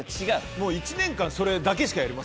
もう１年間それだけしかやりませんから。